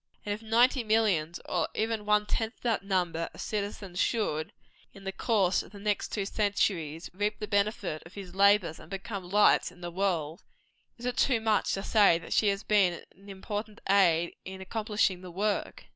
And if ninety millions, or even one tenth that number of citizens should, in the course of the next two centuries, reap the benefit of his labors, and become lights in the world, is it too much to say that she has been an important aid in accomplishing the work?